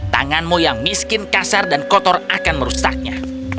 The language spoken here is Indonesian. tanganmu yang miskin kasar dan kotor akan merusaknya